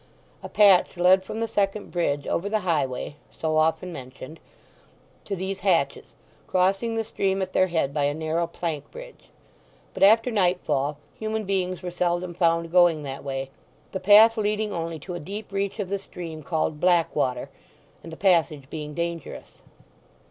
A path led from the second bridge over the highway (so often mentioned) to these Hatches, crossing the stream at their head by a narrow plank bridge. But after night fall human beings were seldom found going that way, the path leading only to a deep reach of the stream called Blackwater, and the passage being dangerous.